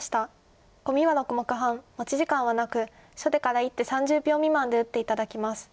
コミは６目半持ち時間はなく初手から１手３０秒未満で打って頂きます。